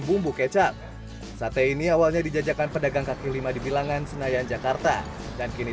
bumbu kecap sate ini awalnya dijajakan pedagang kaki lima di bilangan senayan jakarta dan kini